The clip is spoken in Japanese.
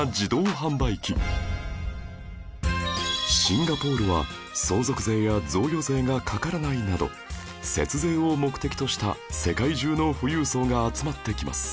シンガポールは相続税や贈与税がかからないなど節税を目的とした世界中の富裕層が集まってきます